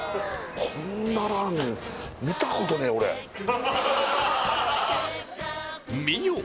こんなラーメン見たことねえ俺見よ！